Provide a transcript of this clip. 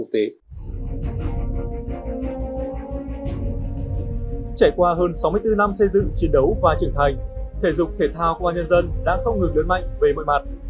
trải qua hơn sáu mươi bốn năm xây dựng chiến đấu và trưởng thành thể dục thể thao công an nhân dân đã không ngừng lớn mạnh về mọi mặt